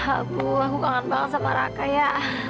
aku aku kangen banget sama raka ya